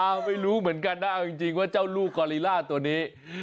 ไม่รู้เหมือนกันนะเอาจริงว่าเจ้าลูกกอลิล่าตัวนี้